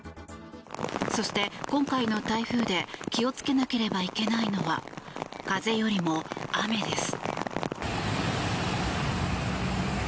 そして、今回の台風で気をつけなければいけないのは風よりも雨です。